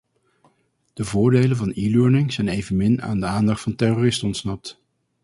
De voordelen van e-learning zijn evenmin aan de aandacht van terroristen ontsnapt.